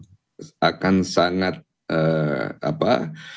bagi golkar kita akan sangat berharap